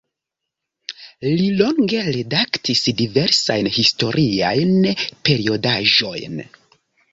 Li longe redaktis diversajn historiajn periodaĵojn.